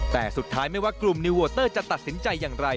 แต่สุดท้ายไม่ว่ากลุ่มนิวโวเตอร์จะตัดสินใจอย่างไร